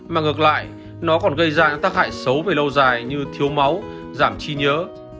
mà ngược lại nó còn gây ra những tác hại xấu về lâu dài như thiếu máu giảm chi nhớ